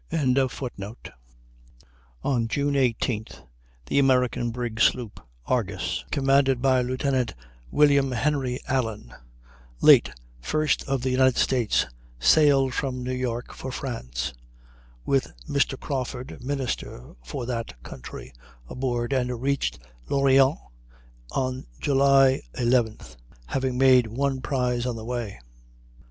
"] On June 18th the American brig sloop Argus, commanded by Lieutenant William Henry Allen, late first of the United States, sailed from New York for France, with Mr. Crawford, minister for that country, aboard, and reached L'Orient on July 11th, having made one prize on the way.